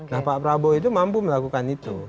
nah pak prabowo itu mampu melakukan itu